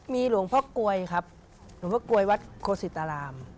มีหลวงพ่อกลวยครับหลวงพ่อกลวยวัดโคศิตราราม